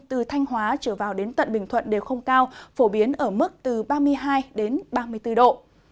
từ thanh hóa trở vào đến tận bình thuận đều không cao phổ biến ở mức từ ba mươi hai ba mươi bốn độ